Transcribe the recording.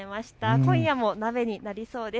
今夜も鍋になりそうです。